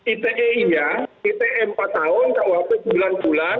ite ini ya ite empat tahun kuhp bulan bulan